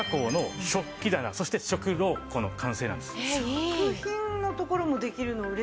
食品の所もできるのうれしい。